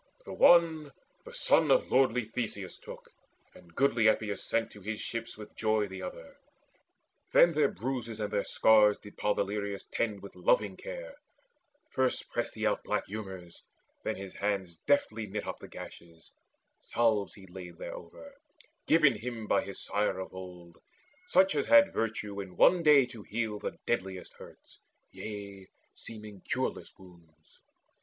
The one the son of lordly Theseus took, And goodly Epeius sent to his ship with joy The other. Then their bruises and their scars Did Podaleirius tend with loving care. First pressed he out black humours, then his hands Deftly knit up the gashes: salves he laid Thereover, given him by his sire of old, Such as had virtue in one day to heal The deadliest hurts, yea, seeming cureless wounds.